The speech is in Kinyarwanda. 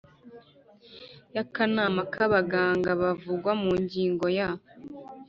y akanama k abaganga kavugwa mu ngingo ya